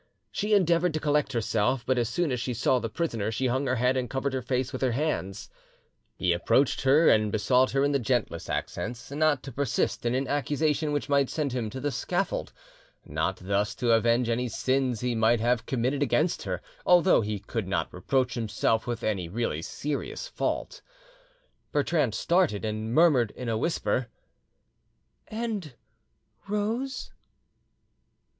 She endeavoured to collect herself, but as soon as she saw the prisoner she hung her head and covered her face with her hands. He approached her and besought her in the gentlest accents not to persist in an accusation which might send him to the scaffold, not thus to avenge any sins he might have committed against her, although he could not reproach himself with any really serious fault. Bertrande started, and murmured in a whisper, "And Rose?"